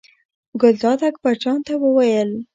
ګلداد اکبر جان ته وویل.